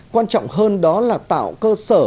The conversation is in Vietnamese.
quan trọng hơn đó là tạo cơ sở